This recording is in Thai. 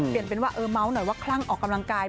เปลี่ยนเป็นว่าเออเมาส์หน่อยว่าคลั่งออกกำลังกาย